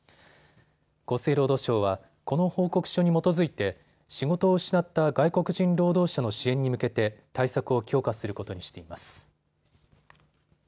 厚生労働省は、この報告書に基づいて仕事を失った外国人労働者の支援に向けて対策を強化することにしています。